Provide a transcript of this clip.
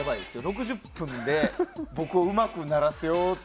６０分でうまくならせようって